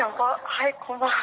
はいこんばんは。